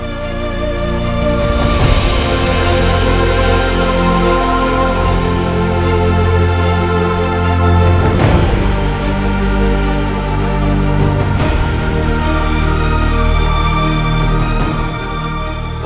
bila hubungertu bersama saya